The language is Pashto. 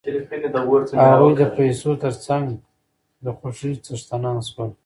هغوی د پیسو تر څنګ د خوښیو څښتنان شول